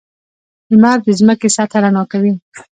• لمر د ځمکې سطحه رڼا کوي.